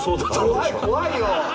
怖い怖いよ。